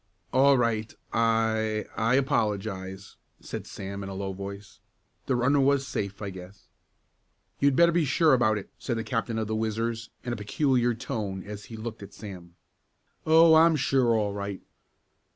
"All right I I apologize," said Sam in a low voice. "The runner was safe I guess." "You'd better be sure about it," said the captain of the Whizzers, in a peculiar tone as he looked at Sam. "Oh, I'm sure all right."